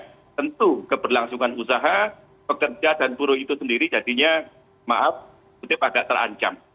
tentu keberlangsungan usaha pekerja dan buruh itu sendiri jadinya maaf kutip agak terancam